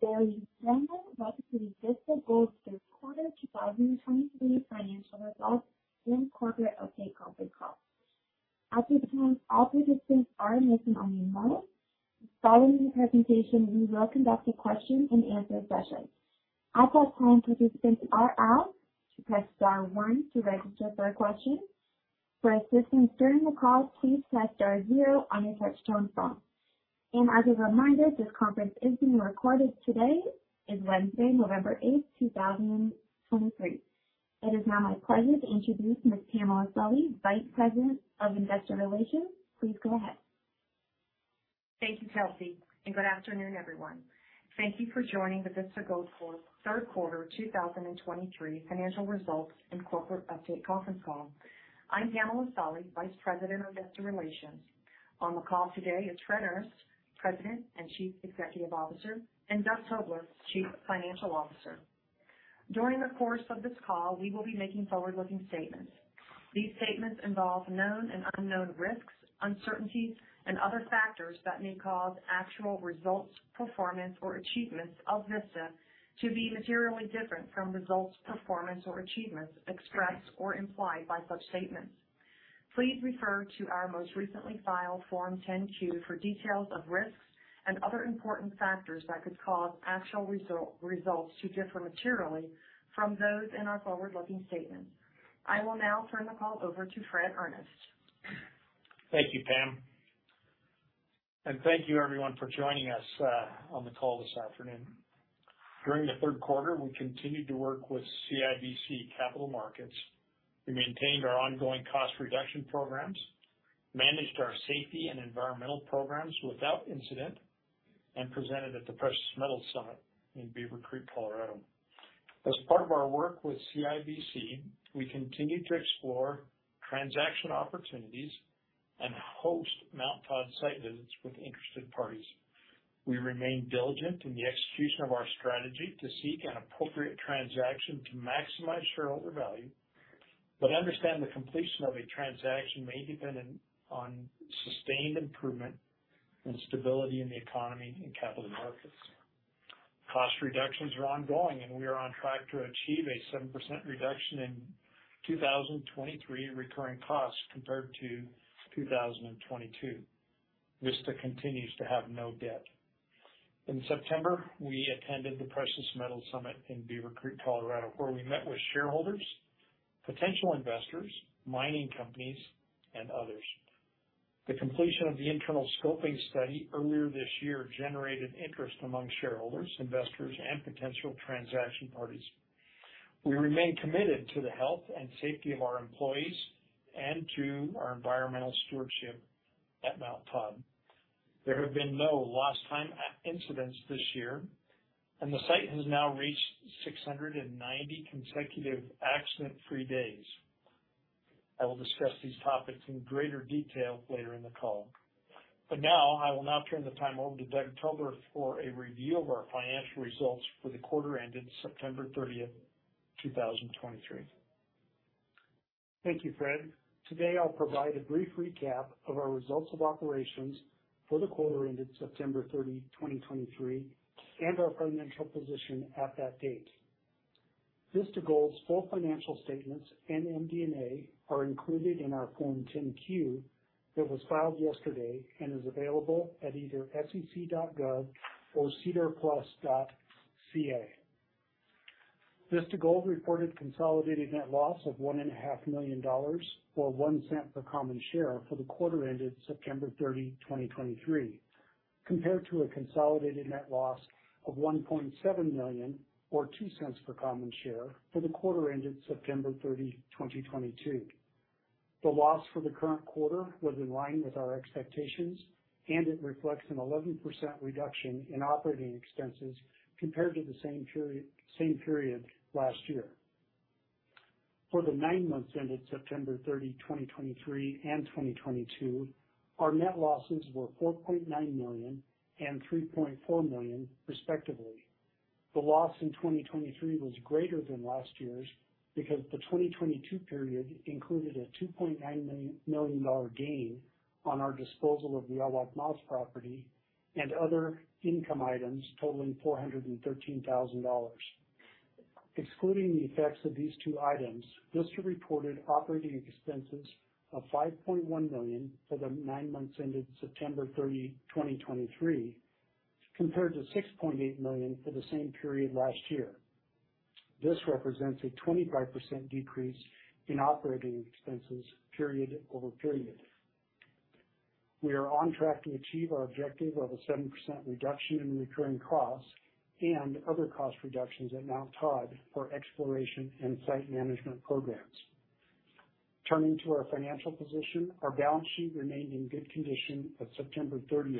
Good day. Welcome to the Vista Gold Q3 2023 Financial Results and Corporate Update Conference Call. At this time, all participants are in listen-only mode. Following the presentation, we will conduct a question-and-answer session. At that time, participants are asked to press star one to register for a question. For assistance during the call, please press star zero on your touchtone phone. As a reminder, this conference is being recorded. Today is Wednesday, November 8, 2023. It is now my pleasure to introduce Ms. Pam Solly, Vice President of Investor Relations. Please go ahead. Thank you, Kelsey, and good afternoon, everyone. Thank you for joining the Vista Gold Q3 2023 Financial Results and Corporate Update Conference Call. I'm Pamela Solly, Vice President of Investor Relations. On the call today is Fred Earnest, President and Chief Executive Officer, and Doug Tobler, Chief Financial Officer. During the course of this call, we will be making forward-looking statements. These statements involve known and unknown risks, uncertainties, and other factors that may cause actual results, performance, or achievements of Vista to be materially different from results, performance, or achievements expressed or implied by such statements. Please refer to our most recently filed Form 10-Q for details of risks and other important factors that could cause actual results to differ materially from those in our forward-looking statements. I will now turn the call over to Fred Earnest. Thank you, Pam, and thank you everyone for joining us on the call this afternoon. During the Q3, we continued to work with CIBC Capital Markets. We maintained our ongoing cost reduction programs, managed our safety and environmental programs without incident, and presented at the Precious Metals Summit in Beaver Creek, Colorado. As part of our work with CIBC, we continued to explore transaction opportunities and host Mt Todd site visits with interested parties. We remain diligent in the execution of our strategy to seek an appropriate transaction to maximize shareholder value, but understand the completion of a transaction may depend on sustained improvement and stability in the economy and capital markets. Cost reductions are ongoing, and we are on track to achieve a 7% reduction in 2023 recurring costs compared to 2022. Vista continues to have no debt. In September, we attended the Precious Metals Summit in Beaver Creek, Colorado, where we met with shareholders, potential investors, mining companies, and others. The completion of the internal scoping study earlier this year generated interest among shareholders, investors, and potential transaction parties. We remain committed to the health and safety of our employees and to our environmental stewardship at Mount Todd. There have been no lost time incidents this year, and the site has now reached 690 consecutive accident-free days. I will discuss these topics in greater detail later in the call. Now I will now turn the time over to Doug Tobler for a review of our financial results for the quarter ended September 30, 2023. Thank you, Fred. Today, I'll provide a brief recap of our results of operations for the quarter ended September 30, 2023, and our financial position at that date. Vista Gold's full financial statements and MD&A are included in our Form 10-Q that was filed yesterday and is available at either sec.gov or sedarplus.ca. Vista Gold reported consolidated net loss of $1.5 million, or $0.01 per common share, for the quarter ended September 30, 2023, compared to a consolidated net loss of $1.7 million, or $0.02 per common share, for the quarter ended September 30, 2022. The loss for the current quarter was in line with our expectations, and it reflects an 11% reduction in operating expenses compared to the same period, same period last year. For the nine months ended September 30, 2023, and 2022, our net losses were $4.9 million and $3.4 million, respectively. The loss in 2023 was greater than last year's because the 2022 period included a $2.9 million gain on our disposal of the Los Cardones property and other income items totaling $413,000. Excluding the effects of these two items, Vista reported operating expenses of $5.1 million for the nine months ended September 30, 2023, compared to $6.8 million for the same period last year. This represents a 25% decrease in operating expenses period-over-period. We are on track to achieve our objective of a 7% reduction in recurring costs and other cost reductions at Mount Todd for exploration and site management programs. Turning to our financial position, our balance sheet remained in good condition at September 30.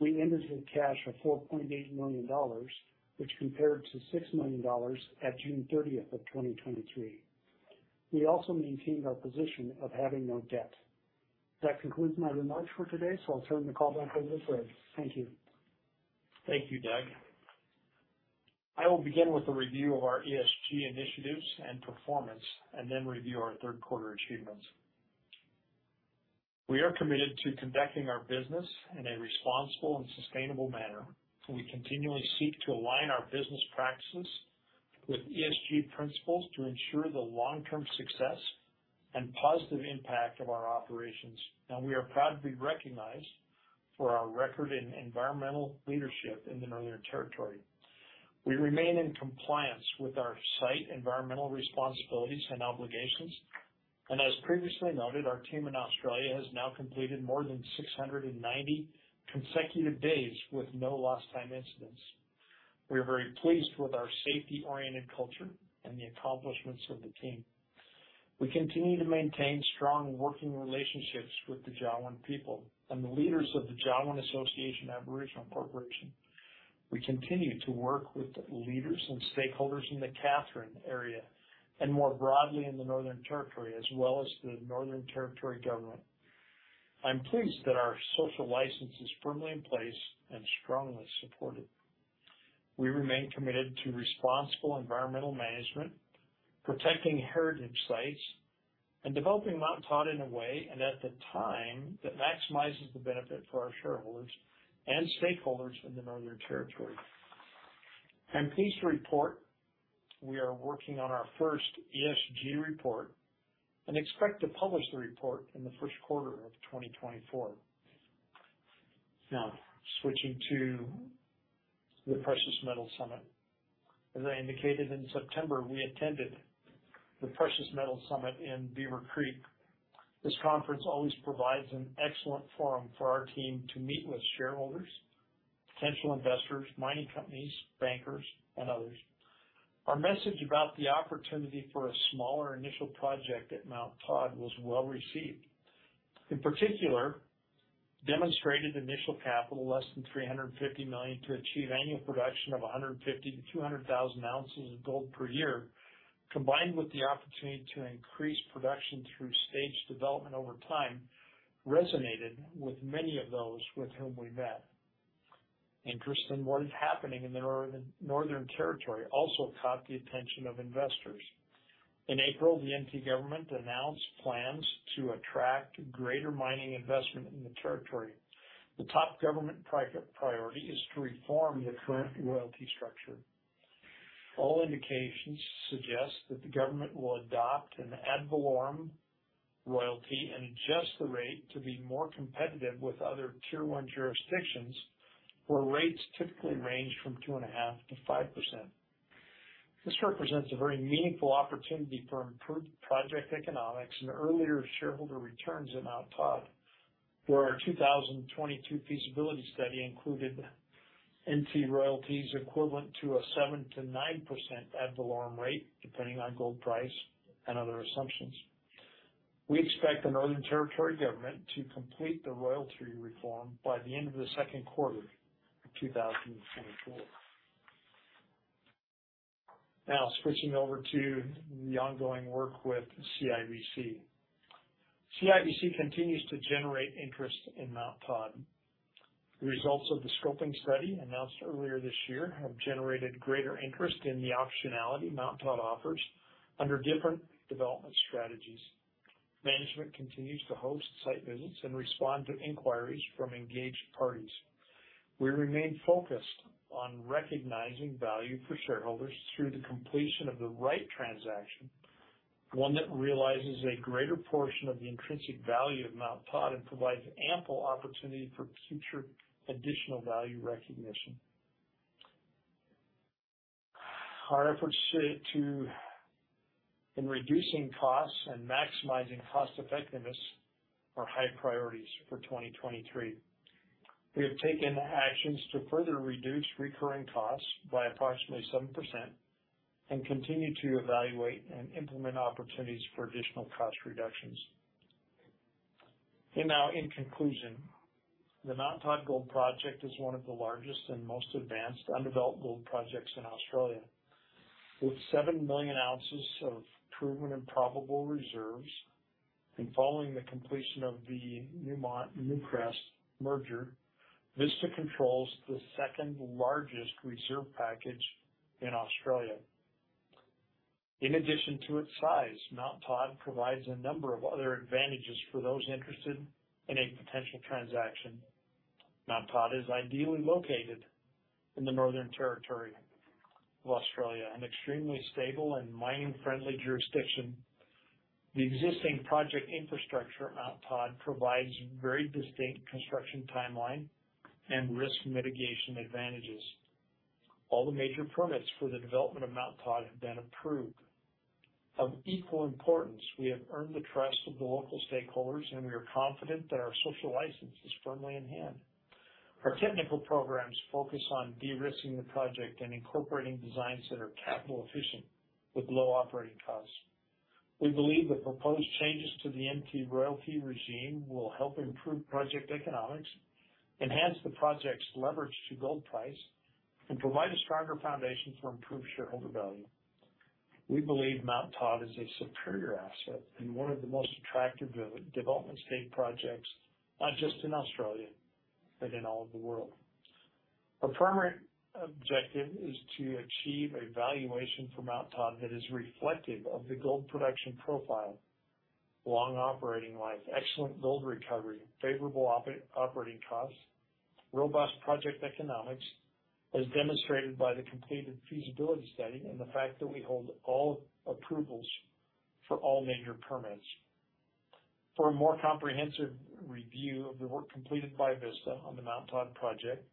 We ended with a cash of $4.8 million, which compared to $6 million at June 30, 2023. We also maintained our position of having no debt. That concludes my remarks for today, so I'll turn the call back over to Fred. Thank you. Thank you, Doug. I will begin with a review of our ESG initiatives and performance and then review our Q3 achievements. We are committed to conducting our business in a responsible and sustainable manner, and we continually seek to align our business practices with ESG principles to ensure the long-term success and positive impact of our operations. We are proudly recognized for our record in environmental leadership in the Northern Territory. We remain in compliance with our site environmental responsibilities and obligations, and as previously noted, our team in Australia has now completed more than 690 consecutive days with no lost time incidents. We are very pleased with our safety-oriented culture and the accomplishments of the team. We continue to maintain strong working relationships with the Jawoyn people and the leaders of the Jawoyn Association Aboriginal Corporation. We continue to work with the leaders and stakeholders in the Katherine area and more broadly in the Northern Territory, as well as the Northern Territory Government. I'm pleased that our social license is firmly in place and strongly supported. We remain committed to responsible environmental management, protecting heritage sites, and developing Mt Todd in a way, and at the time, that maximizes the benefit for our shareholders and stakeholders in the Northern Territory. I'm pleased to report we are working on our first ESG report and expect to publish the report in the Q1 of 2024. Now, switching to the Precious Metals Summit. As I indicated, in September, we attended the Precious Metals Summit in Beaver Creek. This conference always provides an excellent forum for our team to meet with shareholders, potential investors, mining companies, bankers, and others. Our message about the opportunity for a smaller initial project at Mt Todd was well received. In particular, demonstrated initial capital, less than $350 million, to achieve annual production of 150,000-200,000 ounces of gold per year, combined with the opportunity to increase production through staged development over time, resonated with many of those with whom we met. Interest in what is happening in the Northern Territory also caught the attention of investors. In April, the NT government announced plans to attract greater mining investment in the territory. The top government priority is to reform the current royalty structure. All indications suggest that the government will adopt an ad valorem royalty and adjust the rate to be more competitive with other Tier One jurisdictions, where rates typically range from 2.5%-5%. This represents a very meaningful opportunity for improved project economics and earlier shareholder returns in Mt Todd, where our 2022 feasibility study included NT royalties equivalent to a 7%-9% ad valorem rate, depending on gold price and other assumptions. We expect the Northern Territory Government to complete the royalty reform by the end of the Q2 of 2024. Now, switching over to the ongoing work with CIBC. CIBC continues to generate interest in Mt Todd. The results of the scoping study announced earlier this year have generated greater interest in the optionality Mt Todd offers under different development strategies. Management continues to host site visits and respond to inquiries from engaged parties. We remain focused on recognizing value for shareholders through the completion of the right transaction, one that realizes a greater portion of the intrinsic value of Mt Todd and provides ample opportunity for future additional value recognition. Our efforts in reducing costs and maximizing cost effectiveness are high priorities for 2023. We have taken actions to further reduce recurring costs by approximately 7% and continue to evaluate and implement opportunities for additional cost reductions. Now, in conclusion, the Mt Todd Gold Project is one of the largest and most advanced undeveloped gold projects in Australia. With 7 million ounces of proven and probable reserves, and following the completion of the Newmont and Newcrest merger, Vista controls the second-largest reserve package in Australia. In addition to its size, Mt Todd provides a number of other advantages for those interested in a potential transaction. Mt Todd is ideally located in the Northern Territory of Australia, an extremely stable and mining-friendly jurisdiction. The existing project infrastructure at Mt Todd provides very distinct construction timeline and risk mitigation advantages. All the major permits for the development of Mt Todd have been approved. Of equal importance, we have earned the trust of the local stakeholders, and we are confident that our social license is firmly in hand. Our technical programs focus on de-risking the project and incorporating designs that are capital efficient with low operating costs. We believe the proposed changes to the NT royalty regime will help improve project economics, enhance the project's leverage to gold price, and provide a stronger foundation for improved shareholder value. We believe Mt Todd is a superior asset and one of the most attractive development-stage projects, not just in Australia, but in all of the world. A primary objective is to achieve a valuation for Mount Todd that is reflective of the gold production profile, long operating life, excellent gold recovery, favorable operating costs, robust project economics, as demonstrated by the completed feasibility study and the fact that we hold all approvals for all major permits. For a more comprehensive review of the work completed by Vista on the Mount Todd project,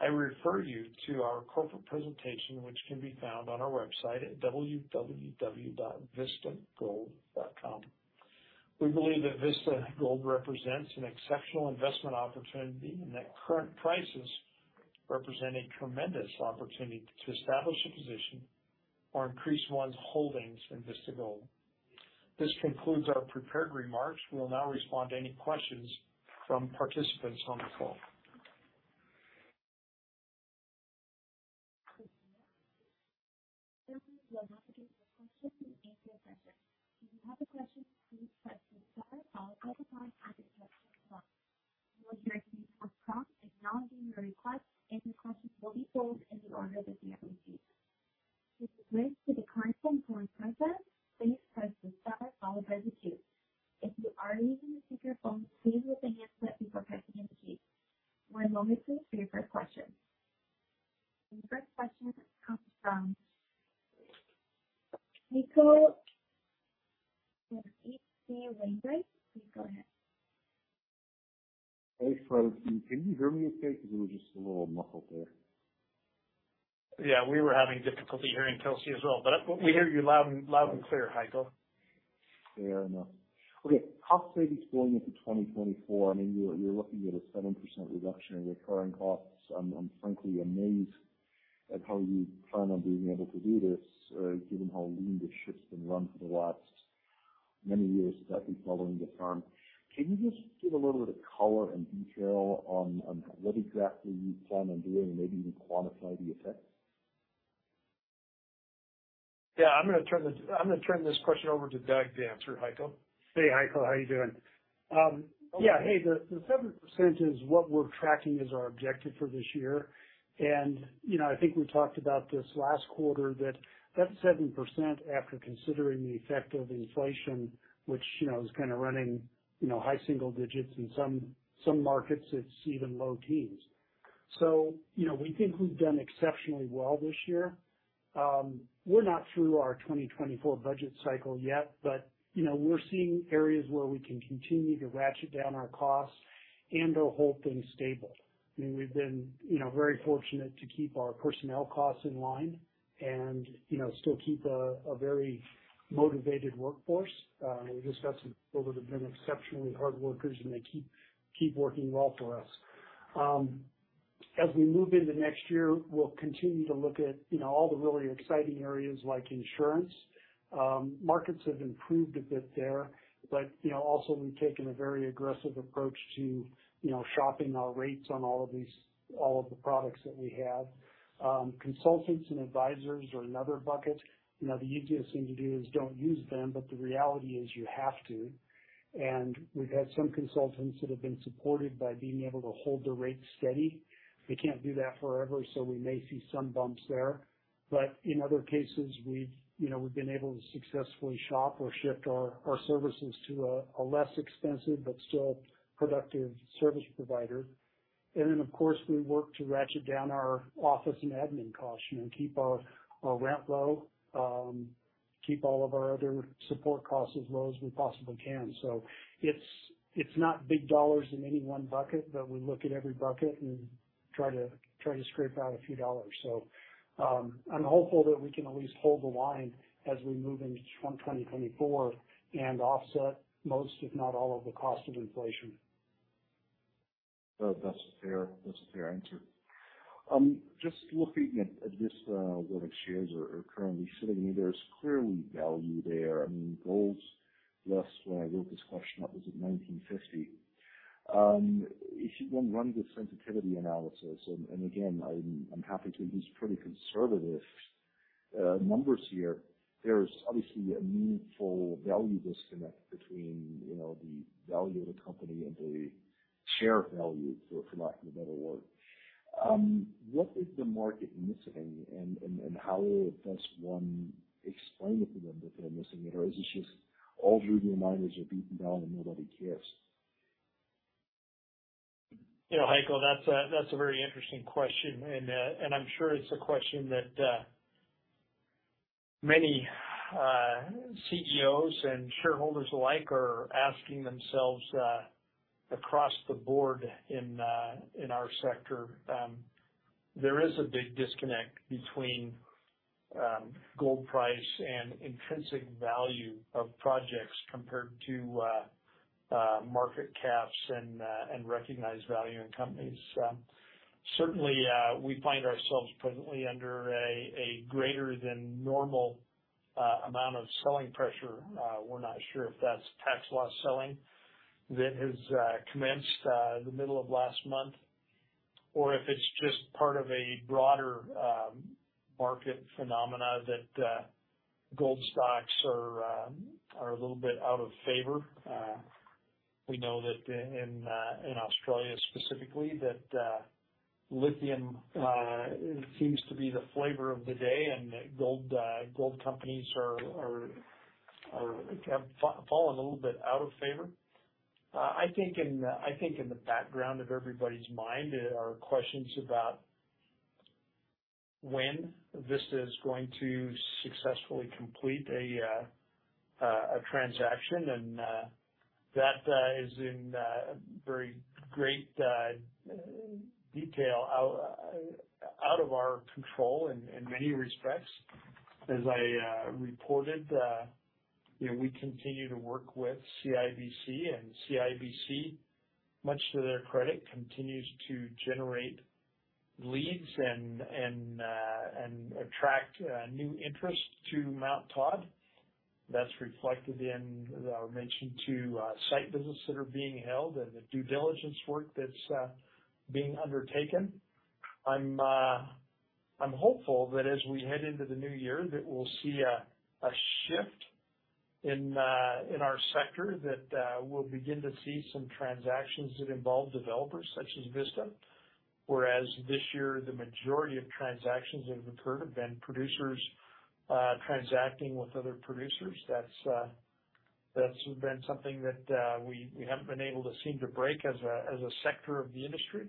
I refer you to our corporate presentation, which can be found on our website at www.vistagold.com. We believe that Vista Gold represents an exceptional investment opportunity, and that current prices represent a tremendous opportunity to establish a position or increase one's holdings in Vista Gold. This concludes our prepared remarks. We'll now respond to any questions from participants on the call. We will now take your questions in queue order. If you have a question, please press the star followed by the pound on your touchtone phone. You will hear a voice prompt acknowledging your request, and your question will be saved in the order that we have received. If you wish to withdraw from current process, please press the star followed by the two. If you are using a speakerphone, please lift the handset before pressing any keys. One moment please, for your first question. Your first question comes from Heiko Ihle H.C. Wainwright. Please go ahead. Hey, folks. Can you hear me okay? 'Cause it was just a little muffled there. Yeah, we were having difficulty hearing Kelsey as well, but we, we hear you loud and, loud and clear, Heiko. Fair enough. Okay. Cost savings going into 2024, I mean, you're, you're looking at a 7% reduction in your current costs. I'm, I'm frankly amazed at how you plan on being able to do this, given how lean this ship's been run for the last many years, certainly following the turn. Can you just give a little bit of color and detail on, on what exactly you plan on doing, and maybe even quantify the effects? Yeah, I'm gonna turn this, I'm gonna turn this question over to Doug to answer, Heiko. Hey, Heiko, how you doing? Yeah. Hey, the seven percent is what we're tracking as our objective for this year. you know, I think we talked about this last quarter, that that seven percent, after considering the effect of inflation, which, you know, is kind of running, you know, high single digits, in some, some markets, it's even low teens. You know, we think we've done exceptionally well this year. We're not through our 2024 budget cycle yet, but, you know, we're seeing areas where we can continue to ratchet down our costs and/or hold things stable. I mean, we've been, you know, very fortunate to keep our personnel costs in line and, you know, still keep a, a very motivated workforce. We've just got some people that have been exceptionally hard workers, and they keep working well for us. As we move into next year, we'll continue to look at, you know, all the really exciting areas, like insurance. Markets have improved a bit there, but, you know, also we've taken a very aggressive approach to, you know, shopping our rates on all of these... all of the products that we have. Consultants and advisors are another bucket. You know, the easiest thing to do is don't use them, but the reality is you have to. We've had some consultants that have been supported by being able to hold their rates steady. They can't do that forever, so we may see some bumps there. But in other cases, we've, you know, we've been able to successfully shop or shift our, our services to a, a less expensive but still productive service provider. Then, of course, we work to ratchet down our office and admin costs, you know, keep our, our rent low, keep all of our other support costs as low as we possibly can. It's, it's not big dollars in any one bucket, but we look at every bucket and try to, try to scrape out a few dollars. I'm hopeful that we can at least hold the line as we move into 2024 and offset most, if not all, of the cost of inflation. Well, that's a fair, that's a fair answer. Just looking at, at this, where the shares are, are currently sitting, I mean, there's clearly value there. I mean, gold's last, when I wrote this question up, was it $1,950? If you run, run the sensitivity analysis, and, and again, I'm, I'm happy to use pretty conservative, numbers here, there's obviously a meaningful value disconnect between, you know, the value of the company and the share value, for, for lack of a better word. What is the market missing, and, and, and how best one explain it to them that they're missing it, or is it just all junior miners are beaten down and nobody cares? You know, Heiko, that's a very interesting question. I'm sure it's a question that many CEOs and shareholders alike are asking themselves across the board in our sector. There is a big disconnect between gold price and intrinsic value of projects compared to market caps and recognized value in companies. Certainly, we find ourselves presently under a greater than normal amount of selling pressure. We're not sure if that's tax loss selling that has commenced in the middle of last month, or if it's just part of a broader market phenomena that gold stocks are a little bit out of favor... We know that in Australia specifically, lithium seems to be the flavor of the day, and gold companies have fallen a little bit out of favor. I think in the background of everybody's mind are questions about when Vista is going to successfully complete a transaction. That is in very great detail out of our control in many respects. As I reported, you know, we continue to work with CIBC, and CIBC, much to their credit, continues to generate leads and attract new interest to Mt Todd. That's reflected in the mention to site visits that are being held and the due diligence work that's being undertaken. I'm hopeful that as we head into the new year, that we'll see a shift in our sector, that we'll begin to see some transactions that involve developers such as Vista. Whereas this year, the majority of transactions that have occurred have been producers transacting with other producers. That's been something that we haven't been able to seem to break as a sector of the industry.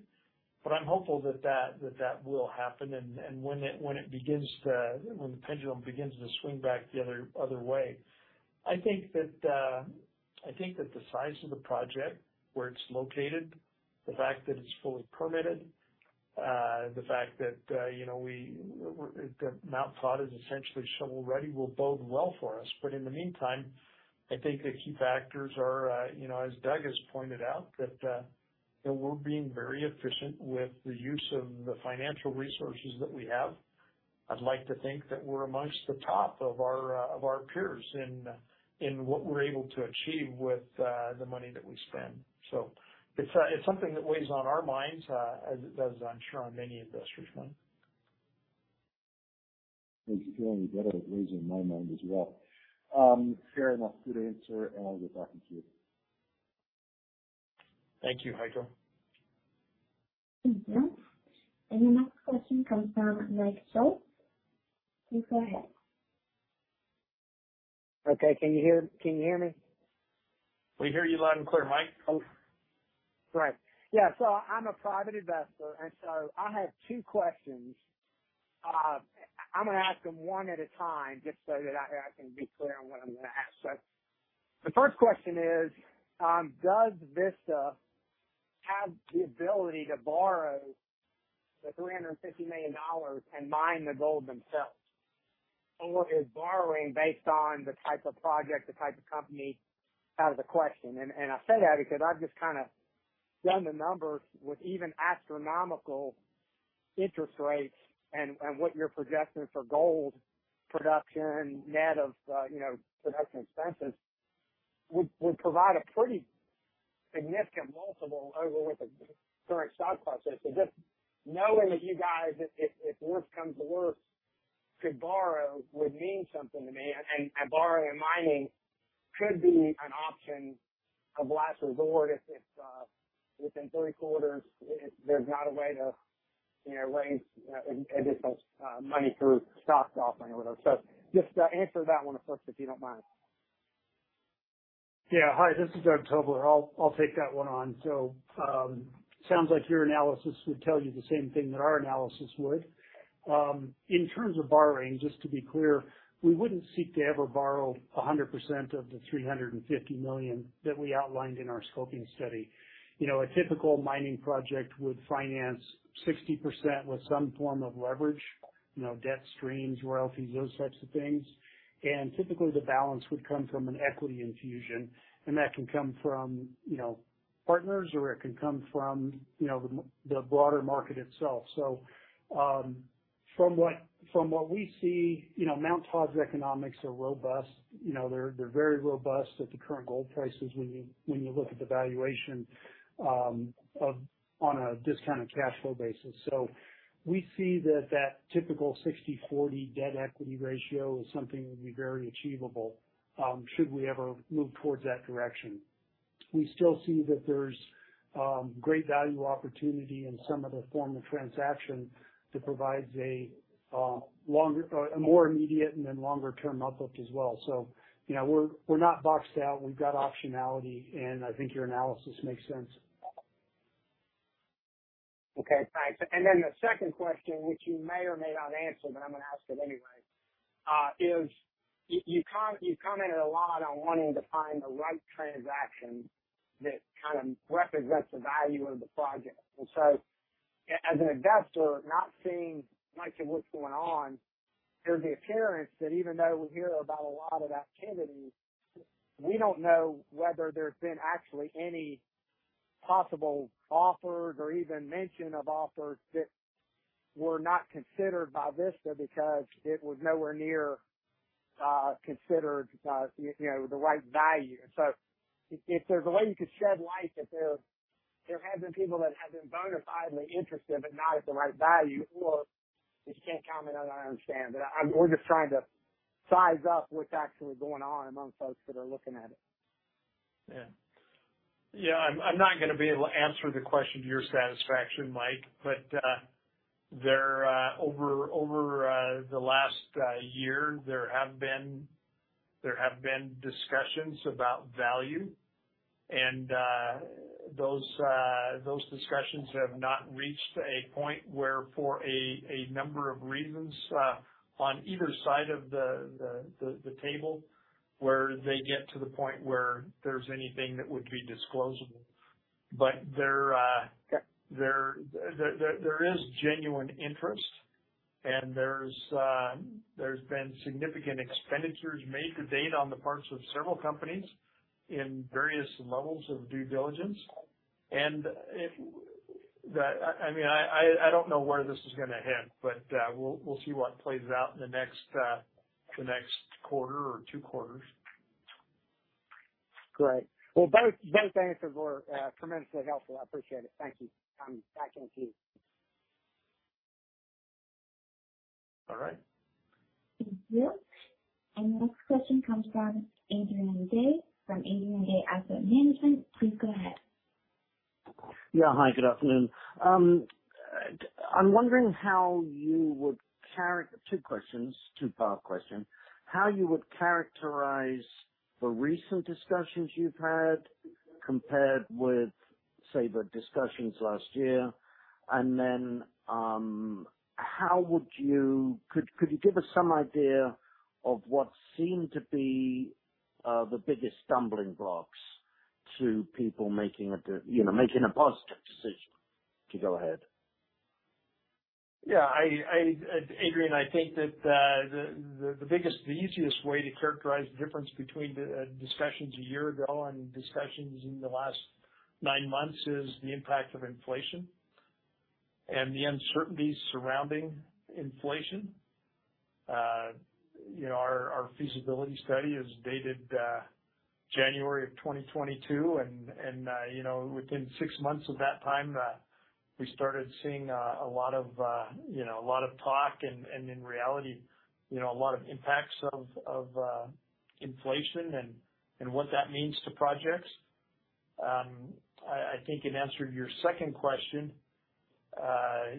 I'm hopeful that that will happen, and when it begins to... When the pendulum begins to swing back the other way. I think that the size of the project, where it's located, the fact that it's fully permitted, the fact that, you know, that Mt Todd is essentially shovel-ready will bode well for us. But in the meantime, I think the key factors are, you know, as Doug has pointed out, that we're being very efficient with the use of the financial resources that we have. I'd like to think that we're among the top of our peers in what we're able to achieve with the money that we spend. It's something that weighs on our minds, as it does, I'm sure, on many investors' minds. Thank you, Heiko. That weighs on my mind as well. Fair enough. Good answer, and I'll get back to you. Thank you, Heiko. Thank you. The next question comes from Mike Schultz. Please go ahead. Okay. Can you hear? Can you hear me? We hear you loud and clear, Mike. Oh, right. Yeah, so I'm a private investor, and so I have two questions. I'm gonna ask them one at a time just so that I can be clear on what I'm gonna ask. The first question is, does Vista have the ability to borrow the $350 million and mine the gold themselves? Or is borrowing based on the type of project, the type of company out of the question? And I say that because I've just kind of run the numbers with even astronomical interest rates and what you're projecting for gold production, net of, you know, production expenses, would provide a pretty significant multiple over what the current stock price is. Just knowing that you guys, if worse comes to worse, could borrow, would mean something to me. Borrowing and mining could be an option of last resort if within three quarters there's not a way to, you know, raise additional money through stock offering or whatever. Just answer that one first, if you don't mind. Yeah. Hi, this is Doug Tobler. I'll take that one on. Sounds like your analysis would tell you the same thing that our analysis would. In terms of borrowing, just to be clear, we wouldn't seek to ever borrow 100% of the $350 million that we outlined in our scoping study. You know, a typical mining project would finance 60% with some form of leverage, you know, debt streams, royalties, those types of things. Typically, the balance would come from an equity infusion, and that can come from, you know, partners, or it can come from, you know, the broader market itself. From what we see, you know, Mount Todd's economics are robust. You know, they're very robust at the current gold prices when you look at the valuation on a discounted cash flow basis. We see that typical 60/40 debt equity ratio is something that would be very achievable should we ever move towards that direction. We still see that there's great value opportunity in some other form of transaction that provides a longer a more immediate and then longer-term outlook as well. You know, we're not boxed out. We've got optionality, and I think your analysis makes sense. Okay, thanks. Then the second question, which you may or may not answer, but I'm gonna ask it anyway, is you commented a lot on wanting to find the right transaction that kind of represents the value of the project. So as an investor, not seeing much of what's going on, there's the appearance that even though we hear about a lot of activity, we don't know whether there's been actually any possible offers or even mention of offers that were not considered by Vista because it was nowhere near considered, you know, the right value. If there's a way you could shed light that there have been people that have been bona fidely interested, but not at the right value, or if you can't comment on that, I understand. But we're just trying to size up what's actually going on among folks that are looking at it. Yeah. Yeah, I'm not gonna be able to answer the question to your satisfaction, Mike, but there... Over the last year, there have been discussions about value, and those discussions have not reached a point where, for a number of reasons, on either side of the table, where they get to the point where there's anything that would be disclosable. There is genuine interest, and there's been significant expenditures made to date on the parts of several companies in various levels of due diligence. If that... I mean, I don't know where this is gonna head, but we'll see what plays out in the next quarter or two quarters. Great. Well, both, both answers were tremendously helpful. I appreciate it. Thank you. Back to you. All right. Thank you. The next question comes from Adrian Day from Adrian Day Asset Management. Please go ahead. Yeah. Hi, good afternoon. Two questions, two-part question. How you would characterize the recent discussions you've had compared with, say, the discussions last year? And then, how would you give us some idea of what seemed to be the biggest stumbling blocks to people making a deal, you know, making a positive decision to go ahead? Yeah, Adrian, I think that the biggest, the easiest way to characterize the difference between the discussions a year ago and discussions in the last nine months is the impact of inflation and the uncertainties surrounding inflation. You know, our feasibility study is dated January of 2022. You know, within six months of that time, we started seeing a lot of you know, a lot of talk and in reality, you know, a lot of impacts of inflation and what that means to projects. I think in answer to your second question,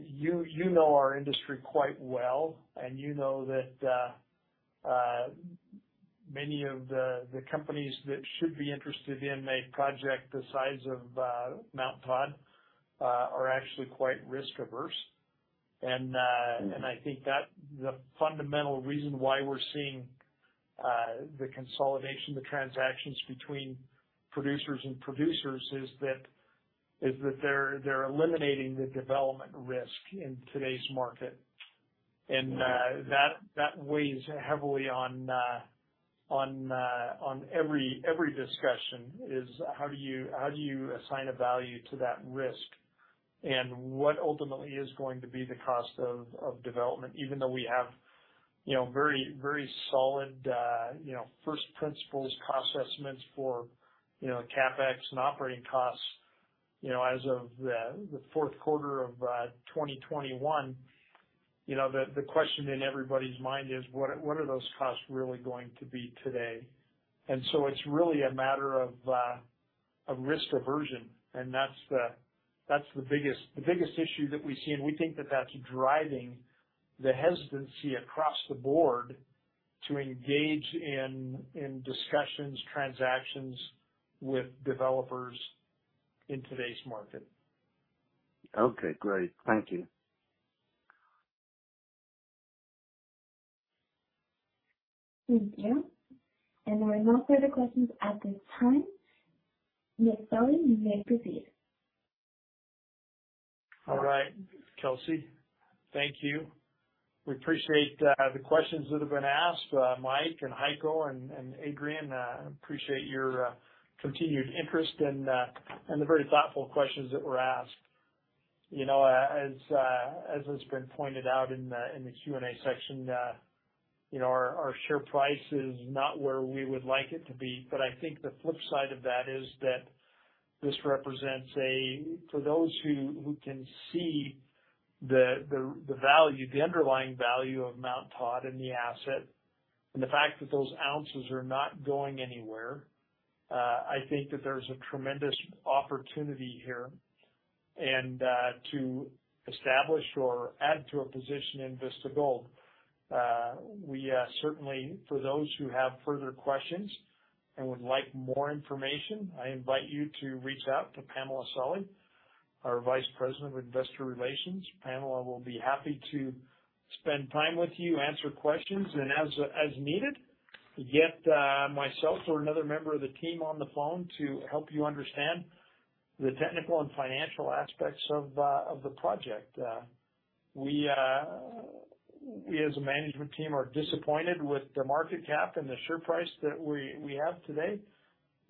you know our industry quite well, and you know that many of the companies that should be interested in a project the size of Mount Todd are actually quite risk-averse. I think that the fundamental reason why we're seeing the consolidation, the transactions between producers and producers is that they're eliminating the development risk in today's market. That weighs heavily on every discussion: How do you assign a value to that risk? And what ultimately is going to be the cost of development? Even though we have, you know, very, very solid, you know, first principles cost assessments for, you know, CapEx and operating costs, you know, as of, the Q4 of 2021, you know, the, the question in everybody's mind is: What, what are those costs really going to be today? And so it's really a matter of, of risk aversion, and that's the, that's the biggest, the biggest issue that we see. We think that that's driving the hesitancy across the board to engage in, in discussions, transactions with developers in today's market. Okay, great. Thank you. Thank you. There are no further questions at this time. Ms. Solly, you may proceed. All right, Kelsey. Thank you. We appreciate the questions that have been asked. Mike and Heiko and Adrian, I appreciate your continued interest and the very thoughtful questions that were asked. You know, as has been pointed out in the Q&A section, you know, our share price is not where we would like it to be. I think the flip side of that is that this represents a for those who can see the value, the underlying value of Mt Todd and the asset, and the fact that those ounces are not going anywhere, I think that there's a tremendous opportunity here. To establish or add to a position in Vista Gold, we certainly for those who have further questions and would like more information, I invite you to reach out to Pamela Solly, our Vice President of Investor Relations. Pamela will be happy to spend time with you, answer questions, and as needed, get myself or another member of the team on the phone to help you understand the technical and financial aspects of the project. We, as a management team, are disappointed with the market cap and the share price that we have today,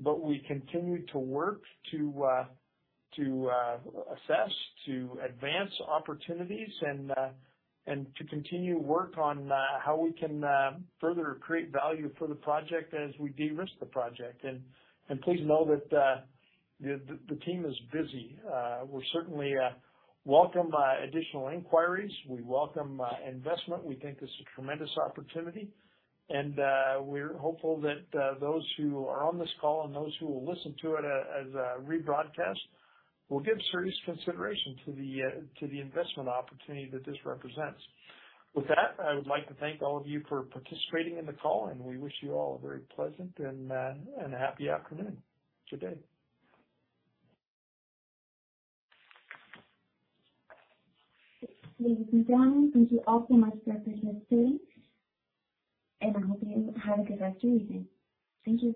but we continue to work to assess, to advance opportunities and to continue work on how we can further create value for the project as we de-risk the project. Please know that the team is busy. We certainly welcome additional inquiries. We welcome investment. We think this is a tremendous opportunity, and we're hopeful that those who are on this call and those who will listen to it as a rebroadcast will give serious consideration to the investment opportunity that this represents. With that, I would like to thank all of you for participating in the call, and we wish you all a very pleasant and a happy afternoon today. Ladies and gentlemen, thank you all so much for participating, and I hope you have a good rest of your week. Thank you.